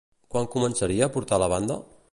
Quan començaria a portar la banda?